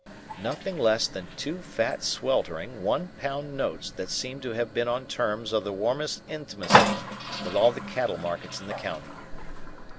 Nothing less than two fat sweltering one pound notes that seemed to have been on terms of the warmest intimacy with all the cattle markets in the county.